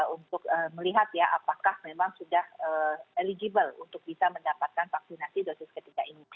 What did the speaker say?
untuk melihat ya apakah memang sudah eligible untuk bisa mendapatkan vaksinasi dosis ketiga ini